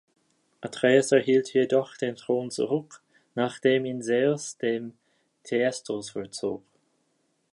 Atreus erhielt jedoch den Thron zurück, nachdem ihn Zeus dem Thyestes vorzog.